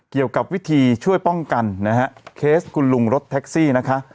เกี่ยวกับวิธีช่วยป้องกันนะฮะเคสคุณลุงรถแท็กซี่นะคะ